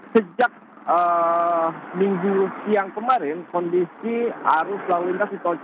sejak minggu siang kemarin kondisi arus lalu lintas